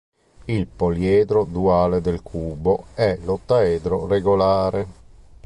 Il poliedro duale del cubo è l'ottaedro regolare.